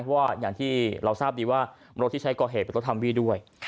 เพราะว่าอย่างที่เราทราบดีว่ามนุษย์ที่ใช้ก่อเหตุเป็นต้นธรรมวิด้วย